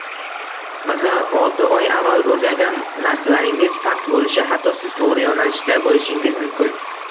Masalan, olti oy avval oʻrgangan narsalaringiz fakt boʻlishi, hatto siz toʻgʻri yoʻnalishda boʻlishingiz mumkin